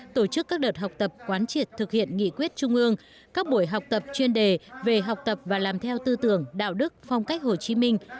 tổ chức các đợt học tập quán triệt thực hiện nghị quyết trung ương các buổi học tập chuyên đề về học tập và làm theo tư tưởng đạo đức phong cách hồ chí minh